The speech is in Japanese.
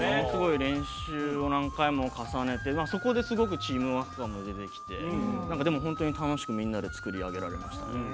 練習は何回も重ねて、そこですごくチームワーク感も出てきて本当に楽しくみんなで作り上げられました。